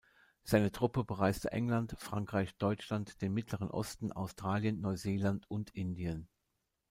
Seine Truppe bereiste England, Frankreich, Deutschland, den mittleren Osten, Australien, Neuseeland und Indien.